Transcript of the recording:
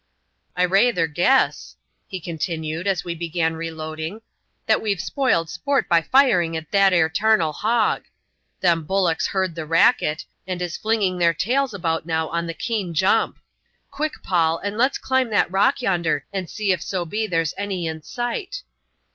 "I rayther guess," he continued, as we began reloading, ^that weVe spoiled sport by firing at that ere 'tamal hog. Them bullocks heard the racket, and is fiinging their taild about now on the keen jump. Quick, Paul, and let's climb that rodk yonder, and see if so be there's any in sight."